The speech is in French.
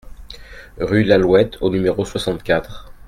Rue Lallouette au numéro soixante-quatre